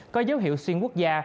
có dấu hiệu xuyên quốc gia